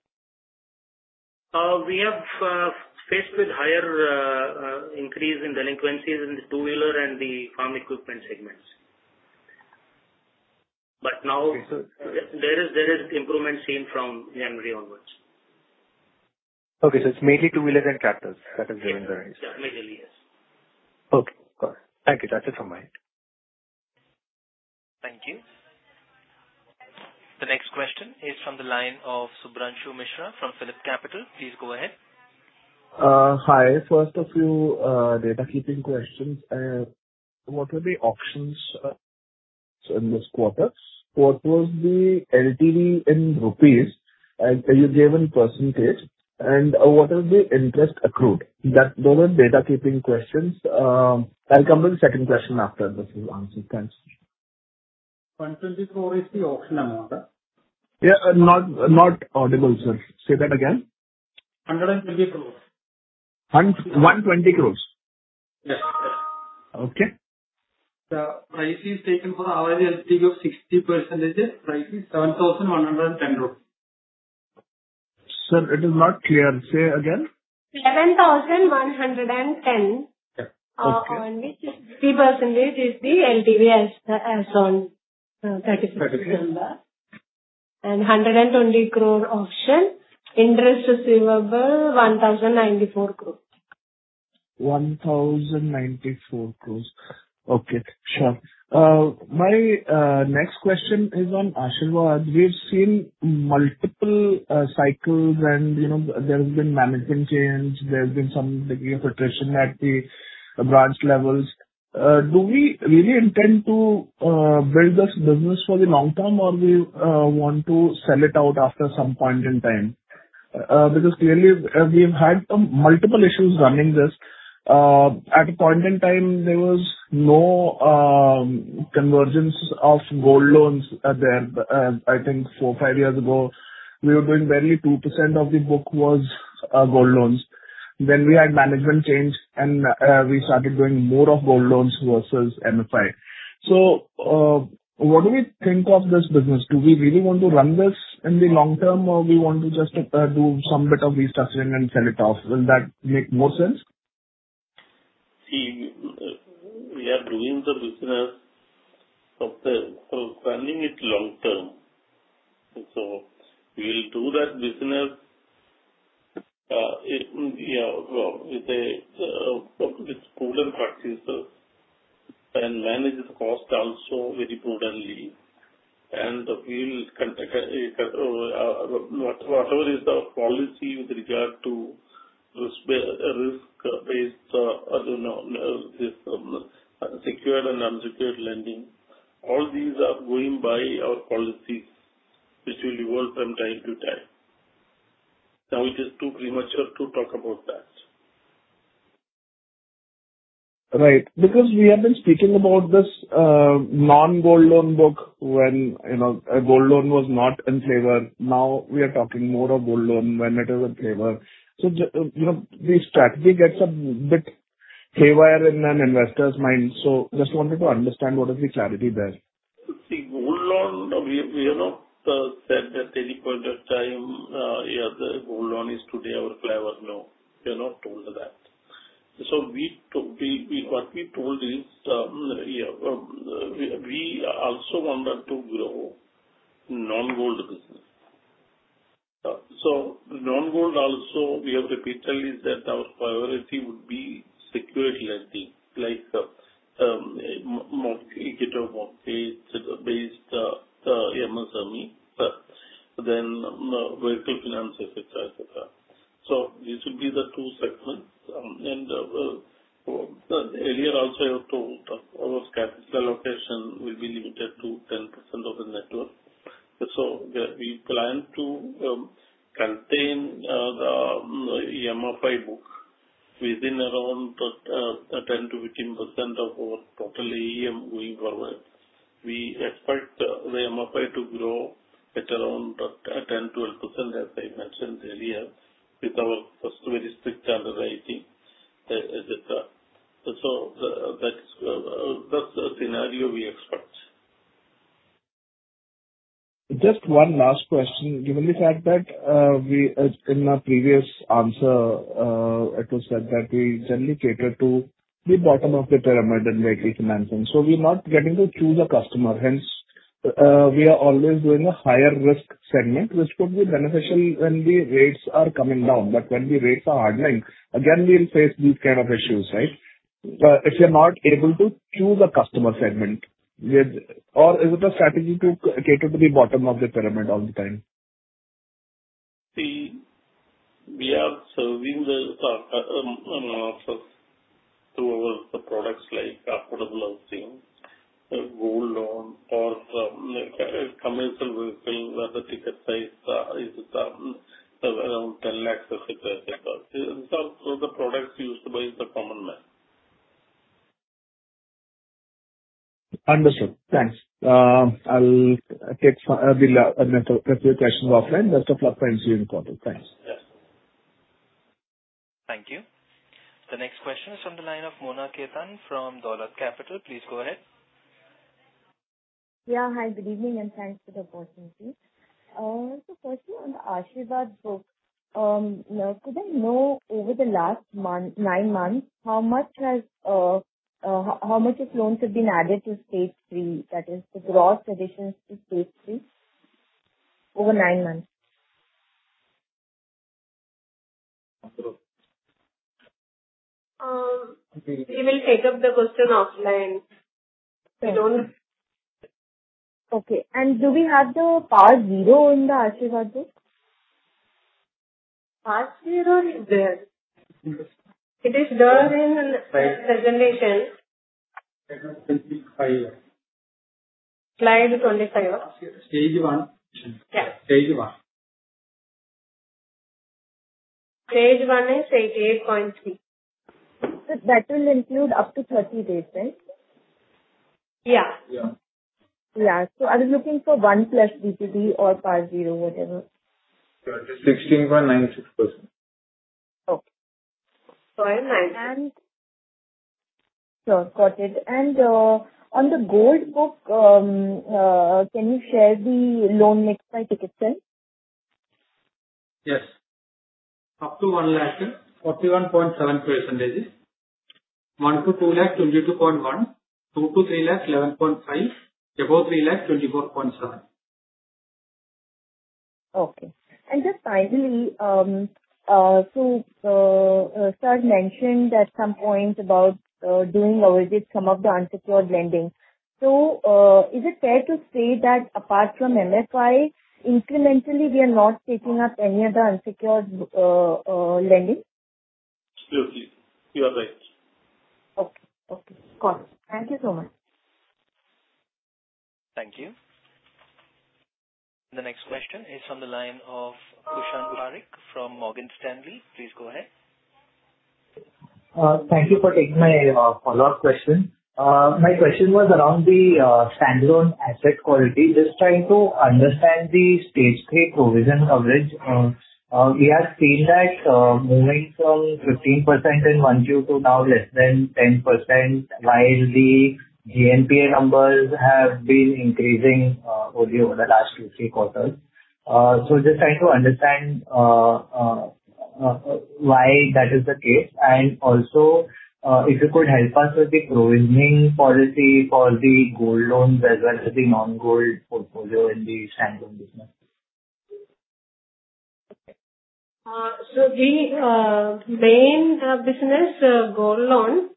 We have faced with higher increase in delinquencies in the two-wheeler and the farm equipment segments. But now, there is improvement seen from January onwards. Okay. So it's mainly two-wheelers and tractors that have driven the rise. Yeah. Yeah. Immediately, yes. Okay. Got it. Thank you. That's it from my end. Thank you. The next question is from the line of Shubhranshu Mishra from PhillipCapital. Please go ahead. Hi. First of your housekeeping questions, what were the auctions in this quarter? What was the LTV in rupees? You gave in percentage. And what is the interest accrued? Those are housekeeping questions. I'll come to the second question after this is answered. Thanks. INR 120 crores is the auction amount, right? Yeah. Not audible, sir. Say that again. 120 crores. 120 crores? Yes. Okay. The price is taken for average LTV of 60%. Price is INR 7,110. Sir, it is not clear. Say again. 7,110 crores. And 60% is the LTV as on 30%. And 120 crore option. Interest receivable, 1,094 crores. 1,094 crores. Okay. Sure. My next question is on Asirvad. We've seen multiple cycles, and there has been management change. There has been some degree of attrition at the branch levels. Do we really intend to build this business for the long term, or we want to sell it out after some point in time? Because clearly, we've had multiple issues running this. At a point in time, there was no convergence of gold loans there. I think four, five years ago, we were doing barely 2% of the book was gold loans. Then we had management change, and we started doing more of gold loans versus MFI. So what do we think of this business? Do we really want to run this in the long term, or we want to just do some bit of restructuring and sell it off? Will that make more sense? See, we are doing the business of running it long term. So we'll do that business with a prudent practice and manage the cost also very prudently. And whatever is our policy with regard to risk-based secured and unsecured lending, all these are going by our policies, which will evolve from time to time. Now, it is too premature to talk about that. Right. Because we have been speaking about this non-gold loan book when a gold loan was not in favor. Now, we are talking more of gold loan when it is in favor. So the strategy gets a bit haywire in an investor's mind. So just wanted to understand what is the clarity there? See, gold loan, we have said at any point of time, yeah, the gold loan is today our flavor. No, we are not told that. So what we told is we also wanted to grow non-gold business. So non-gold also, we have repeatedly said our priority would be secured lending, like mortgage, mortgage-based MSME, then vehicle finance, etc., etc. So these would be the two segments, and earlier also, I have told our capital allocation will be limited to 10% of the net worth. So we plan to contain the MFI book within around 10%-15% of our total AUM going forward. We expect the MFI to grow at around 10%-12%, as I mentioned earlier, with our first very strict underwriting, etc. So that's the scenario we expect. Just one last question. Given the fact that in my previous answer, it was said that we generally cater to the bottom of the pyramid in vehicle financing. So we are not getting to choose a customer. Hence, we are always doing a higher risk segment, which could be beneficial when the rates are coming down. But when the rates are hardening, again, we'll face these kind of issues, right? If you're not able to choose a customer segment, or is it a strategy to cater to the bottom of the pyramid all the time? See, we are serving the customer through our products like affordable housing, gold loan, or commercial vehicle where the ticket size is around INR 10 lakhs, etc., etc. These are the products used by the common man. Understood. Thanks. I'll take a few questions offline. Best of luck for ensuing quarter. Thanks. Yes. Thank you. The next question is from the line of Mona Khetan from Dolat Capital. Please go ahead. Yeah. Hi. Good evening and thanks for the opportunity. So firstly, on the Asirvad book, could I know over the last nine months, how much of loans have been added to Stage 3, that is, the gross additions to Stage 3 over nine months? We will take up the question offline. Okay. And do we have the PAR 0 in the Asirvad book? PAR 0 is there. It is there in the presentation. Slide 25. Slide 25? Stage one. Yeah. Stage one. Stage 1 is 88.3%. So that will include up to 30 days, right? Yeah. Yeah. Yeah. So I'm looking for 1+ DPD or PAR 0, whatever. 16.96%. Okay. I mean. Sure. Got it. On the gold loan book, can you share the loan mix by ticket size? Yes. Up to 1 lakh, 41.7%; 1- 2 lakh, 22.1%; 2- 3 lakh, 11.5%; above 3 lakh, 24.7%. Okay, and just finally, so sir mentioned at some point about doing some of the unsecured lending, so is it fair to say that apart from MFI, incrementally, we are not taking up any of the unsecured lending? Still, you are right. Okay. Okay. Got it. Thank you so much. Thank you. The next question is from the line of Kushan Parikh from Morgan Stanley. Please go ahead. Thank you for taking my follow-up question. My question was around the standalone asset quality. Just trying to understand the Stage 3 provision coverage. We have seen that moving from 15% in one year to now less than 10%, while the GNPA numbers have been increasing over the last two, three quarters. So just trying to understand why that is the case. And also, if you could help us with the provisioning policy for the gold loans as well as the non-gold portfolio in the standalone business. Okay. So the main business, gold loan,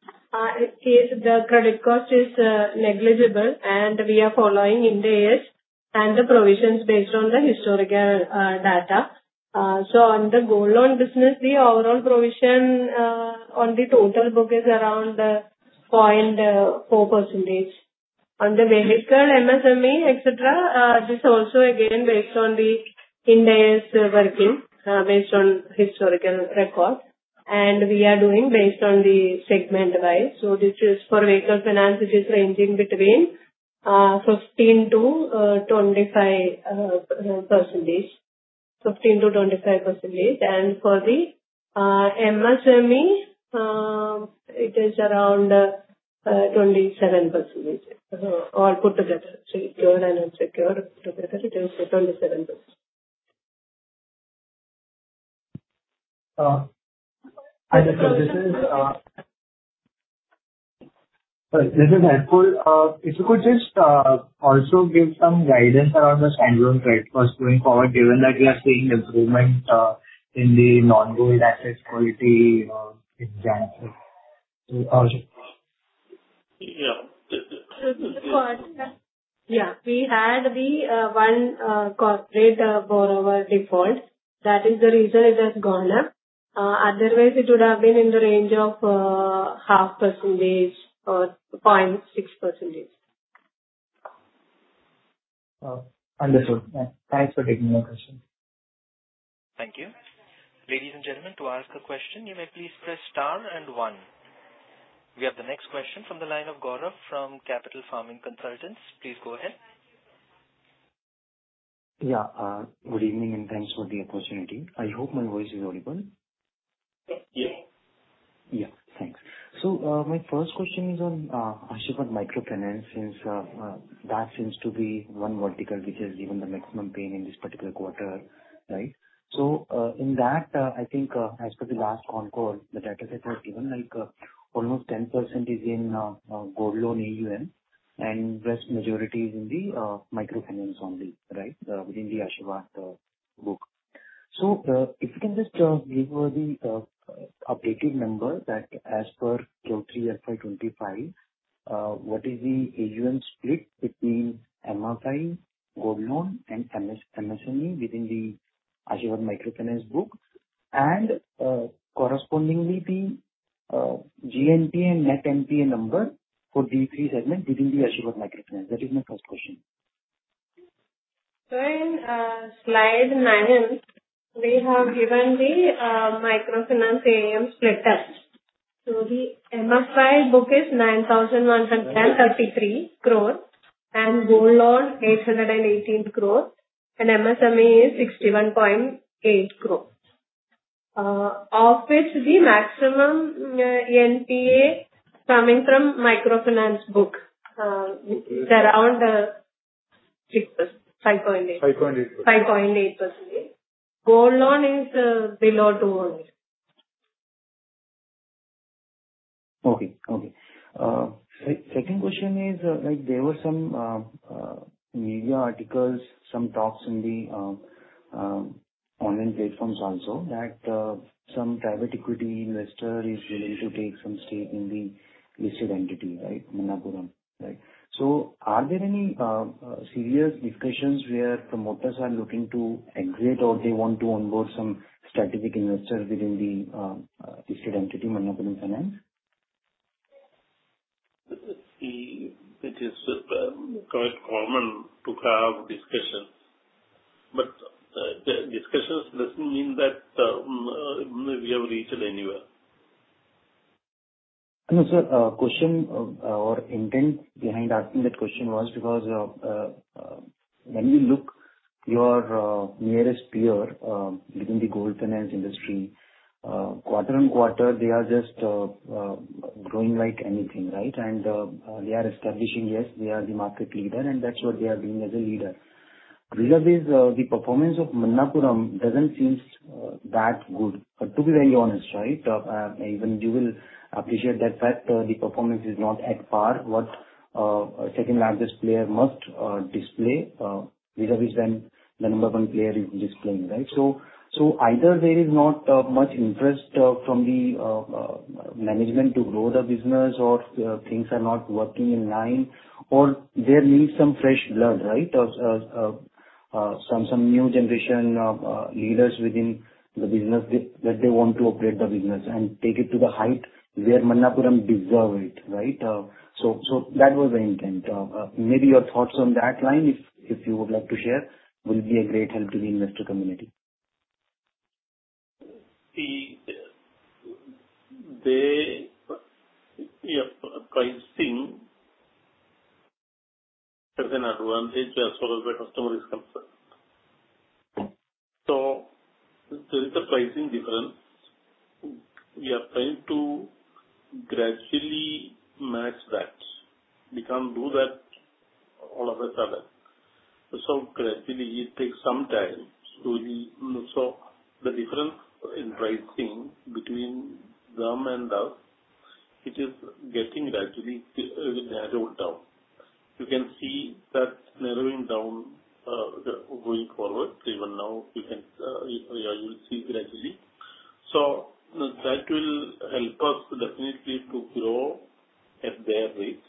is the credit cost is negligible, and we are following in the years and the provisions based on the historical data. So on the gold loan business, the overall provision on the total book is around 0.4%. On the vehicle MSME, etc., this is also again based on the in-day working, based on historical record. And we are doing based on the segment-wise. So for vehicle finance, it is ranging between 15%-25%. And for the MSME, it is around 27%. All put together, secured and unsecured, it is 27%. This is helpful. If you could just also give some guidance around the standalone credit cost going forward, given that we are seeing improvement in the non-gold asset quality in general. We had one corporate borrower default. That is the reason it has gone up. Otherwise, it would have been in the range of 0.5%-0.6%. Understood. Thanks for taking my question. Thank you. Ladies and gentlemen, to ask a question, you may please press star and one. We have the next question from the line of Gaurav from Capital Farming Consultants. Please go ahead. Yeah. Good evening and thanks for the opportunity. I hope my voice is audible. Yes. Yeah. Thanks. So my first question is on Asirvad Microfinance since that seems to be one vertical which has given the maximum pain in this particular quarter, right? So in that, I think as per the last concall, the data set has given almost 10% is in gold loan AUM and rest majority is in the microfinance only, right, within the Asirvad book. So if you can just give the updated number that as per Q3 FY25, what is the AUM split between MFI, gold loan, and MSME within the Asirvad Microfinance book? And correspondingly, the GNPA and Net NPA number for Stage 3 segment within the Asirvad Microfinance. That is my first question. So in slide nine, we have given the microfinance AUM split up. So the MFI book is 9,133 crore rupees and gold loan 818 crore rupees, and MSME is 61.8 crore. Of which, the maximum NPA coming from microfinance book is around 5.8%. 5.8%. 5.8%. Gold Loan is below 200. Okay. Okay. Second question is there were some media articles, some talks in the online platforms also that some private equity investor is willing to take some stake in the listed entity, right, Manappuram, right? So are there any serious discussions where promoters are looking to exit or they want to onboard some strategic investor within the listed entity, Manappuram Finance? See, it is quite common to have discussions. But discussions doesn't mean that we have reached anywhere. No, sir. Question or intent behind asking that question was because when you look at your nearest peer within the gold loan industry, quarter on quarter, they are just growing like anything, right? and they are establishing, yes, they are the market leader, and that's what they are doing as a leader. The performance of Manappuram doesn't seem that good. To be very honest, right, even you will appreciate that the performance is not at par what a second-largest player must display vis-à-vis when the number one player is displaying, right? So either there is not much interest from the management to grow the business or things are not working in line, or there needs some fresh blood, right, some new generation leaders within the business that they want to upgrade the business and take it to the height where Manappuram deserves it, right? So that was the intent. Maybe your thoughts on that line, if you would like to share, will be a great help to the investor community. See, the pricing has an advantage as far as the customer is concerned, so there is a pricing difference. We are trying to gradually match that. We can't do that all of a sudden, so gradually, it takes some time, so the difference in pricing between them and us, it is getting gradually narrowed down. You can see that narrowing down going forward. Even now, you will see gradually, so that will help us definitely to grow at their rates.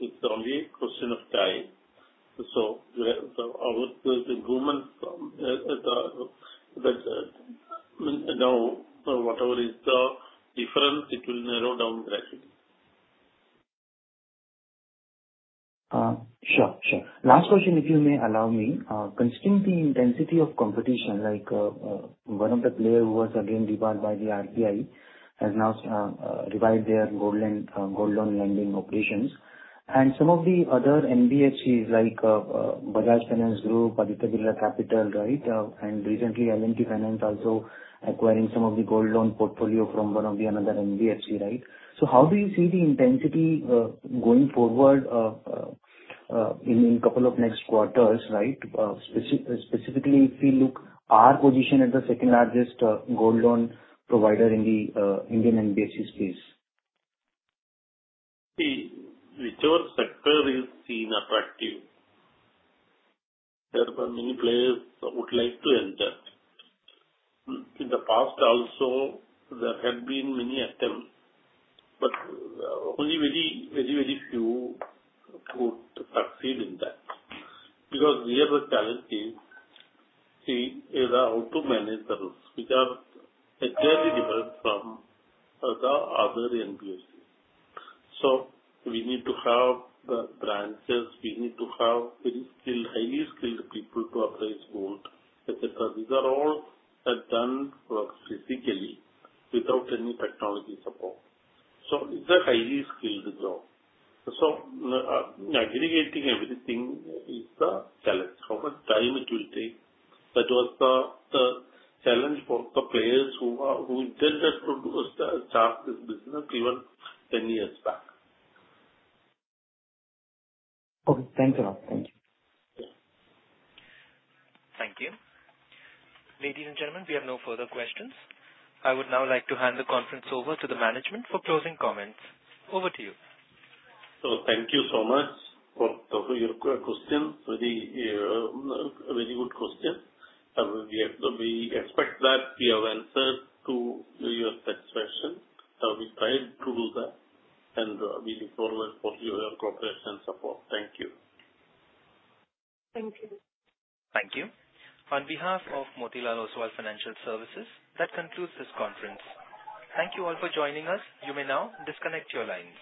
It's only a question of time, so our improvement, now whatever is the difference, it will narrow down gradually. Sure. Sure. Last question, if you may allow me. Considering the intensity of competition, one of the players who was again devoured by the RBI has now revived their gold loan lending operations. And some of the other NBFCs like Bajaj Finance Group, Aditya Birla Capital, right, and recently L&T Finance also acquiring some of the gold loan portfolio from one of the another NBFC, right? So how do you see the intensity going forward in a couple of next quarters, right? Specifically, if we look at our position as the second-largest gold loan provider in the Indian NBFC space. See, whichever sector is seen attractive, there are many players who would like to enter. In the past, also, there had been many attempts, but only very, very, very few could succeed in that. Because here the challenge is, see, either how to manage the risks, which are entirely different from the other NBFCs. So we need to have the branches. We need to have very skilled, highly skilled people to appraise gold, etc. These are all done physically without any technology support. So it's a highly skilled job. So aggregating everything is the challenge. How much time it will take, that was the challenge for the players who intended to start this business even 10 years back. Thanks a lot. Thank you. Thank you. Ladies and gentlemen, we have no further questions. I would now like to hand the conference over to the management for closing comments. Over to you. Thank you so much for your questions. Very good question. We expect that we have answered to your satisfaction. We tried to do that. And we look forward for your cooperation and support. Thank you. Thank you. Thank you. On behalf of Motilal Oswal Financial Services, that concludes this conference. Thank you all for joining us. You may now disconnect your lines.